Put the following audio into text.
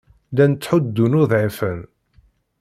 Llan ttḥuddun uḍɛifen.